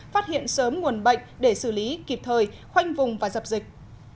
phát hiện sớm nguồn bệnh để xử lý kịp thời khoanh vùng và dập dịch